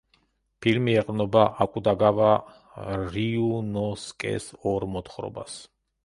ფილმი ეყრდნობა აკუტაგავა რიუნოსკეს ორ მოთხრობას.